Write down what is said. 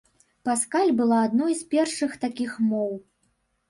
Паскаль была адной з першых такіх моў.